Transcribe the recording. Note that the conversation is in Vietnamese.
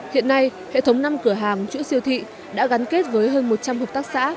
hiện nay hệ thống năm cửa hàng chuỗi siêu thị đã gắn kết với hơn một trăm linh hợp tác xã